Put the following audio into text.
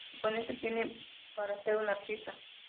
Y con esto tiene para ser un artista.